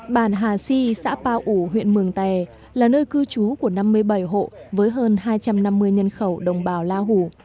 bàn hà si xã pao ủ huyện mường tè là nơi cư trú của năm mươi bảy hộ với hơn hai trăm năm mươi nhân khẩu đồng bào la hủ